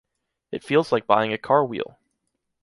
It feels like buying a car wheel.